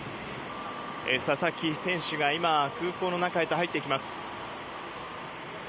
佐々木選手が今空港の中へと入ってきます。